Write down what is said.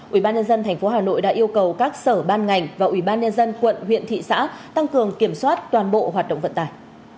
ubnd tp hà nội đã yêu cầu các sở ban ngành và ubnd quận huyện thị xã tăng cường kiểm soát toàn bộ hoạt động vận tải